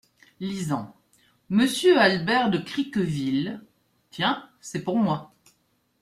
Lisant. "Monsieur Albert de Criqueville…" Tiens ! c’est pour moi !